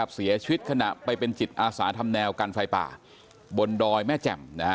เสียชีวิตขณะไปเป็นจิตอาสาทำแนวกันไฟป่าบนดอยแม่แจ่ม